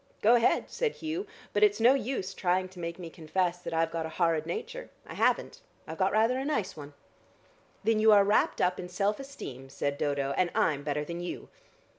"Go ahead," said Hugh. "But it's no use trying to make me confess that I've got a horrid nature. I haven't. I've got rather a nice one." "Then you are wrapped up in self esteem," said Dodo, "and I'm better than you."